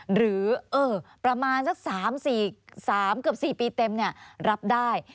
หรือประมาณสัก๓๔ปีเต็มเนี่ยรับได้